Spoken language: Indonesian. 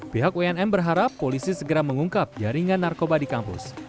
pihak unm berharap polisi segera mengungkap jaringan narkoba di kampus